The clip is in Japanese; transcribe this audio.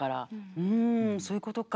うんそういうことか。